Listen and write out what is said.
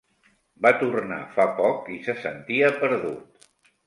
Va tornar fa poc i se sentia perdut.